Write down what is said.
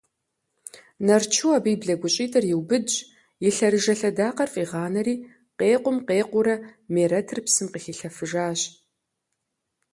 Нарчу абы и блэгущӀитӀыр иубыдщ, и лъэрыжэ лъэдакъэр фӀигъанэри къекъум къекъуурэ Мерэтыр псым къыхилъэфыжащ.